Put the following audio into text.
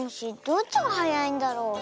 どっちがはやいんだろう。